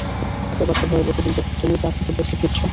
ব্যাপারটা ভয়াবহ, কিন্তু তুমি তা থেকে বেঁচে ফিরেছো।